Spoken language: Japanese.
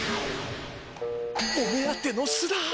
お目当ての巣だ。